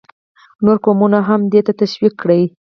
نور قومونه دې ته تشویق کړي.